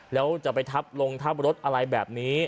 แล้วจะไปทับลงทับรถอะไรแบบนี้